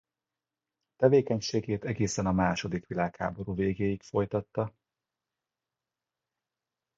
Tevékenységét egészen a második világháború végéig folytatta.